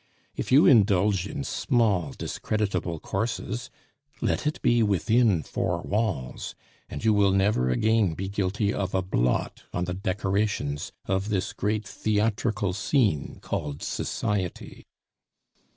If you indulge in small discreditable courses, let it be within four walls, and you will never again be guilty of a blot on the decorations of this great theatrical scene called society.